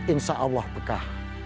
insya allah bekah